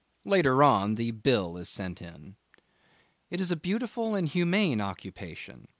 Later on the bill is sent in. It is a beautiful and humane occupation.